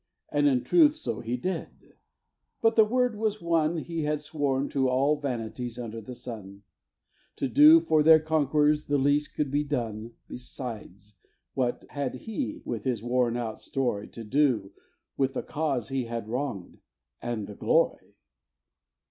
And in truth so he did; but the word was one He had sworn to all vanities under the sun, To do, for their conq'rors, the least could be done. Besides, what had he with his worn out story, To do with the cause he had wrong'd, and the glory?